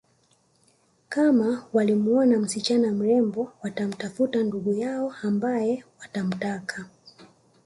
Kama walimwona msichana mrembo watamtafuta ndugu yao ambaye watamtaka